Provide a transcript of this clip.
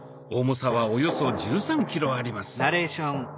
重さはおよそ１３ｋｇあります。